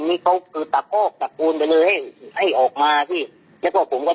นี่เขาก็ตะโก๊กตะโกนไปเลยให้ออกมาพี่แล้วก็ผมก็เดินออกมา